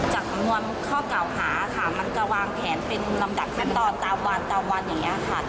ออกเรื่องสิทธิกฐานแต่วางแผนเป็นลำดับแสดงตอนตามว่าง